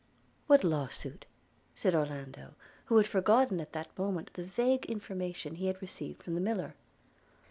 'What law suit?' – said Orlando, who had forgotten at that moment the vague information he had received from the Miller.